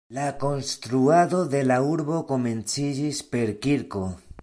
La konstruado de la urbo komenciĝis per kirko.